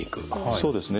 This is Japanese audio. そうですね。